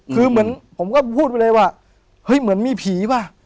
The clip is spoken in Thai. คือเหมือนผมก็พูดไปเลยว่าเฮ้ยเหมือนมีผีป่ะ